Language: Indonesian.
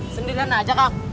sendirian aja kak